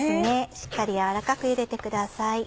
しっかり軟らかく茹でてください。